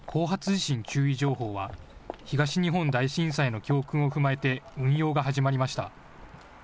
地震注意情報は東日本大震災の教訓を踏まえて運用が始まりました。